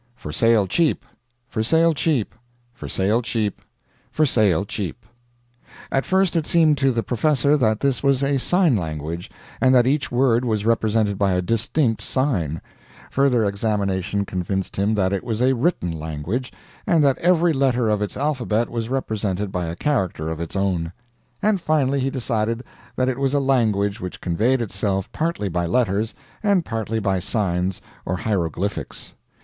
FOR SALE CHEAP. FOR SALE CHEAP. FOR SALE CHEAP. FOR SALE CHEAP. At first it seemed to the professor that this was a sign language, and that each word was represented by a distinct sign; further examination convinced him that it was a written language, and that every letter of its alphabet was represented by a character of its own; and finally he decided that it was a language which conveyed itself partly by letters, and partly by signs or hieroglyphics.